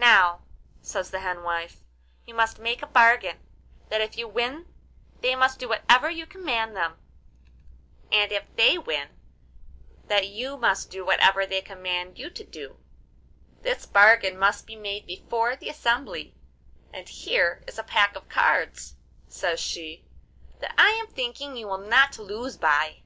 Now,' says the hen wife, 'you must make a bargain, that if you win they must do whatever you command them, and if they win, that you must do whatever they command you to do; this bargain must be made before the assembly, and here is a pack of cards,' says she, 'that I am thinking you will not lose by.